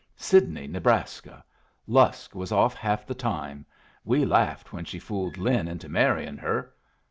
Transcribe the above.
"Sidney, Nebraska. Lusk was off half the time. We laughed when she fooled Lin into marryin' her.